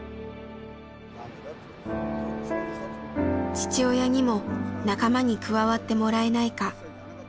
父親にも仲間に加わってもらえないか。